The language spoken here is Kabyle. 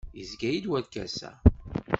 Yezga-iyi-d werkas-a.